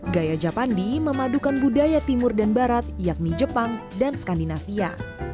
gaya japandi memadukan budaya timur dan barat yakni jepang dan skandinavia